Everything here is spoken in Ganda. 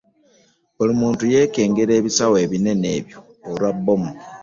Buli muntu yeekengera ebisawo ebinene ebyo lwa bbomu.